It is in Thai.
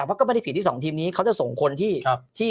ผมก็พิสิตท่านที่๒ทีมนี้เขาจะส่งคนที่จะส่งคุณที่ต้อง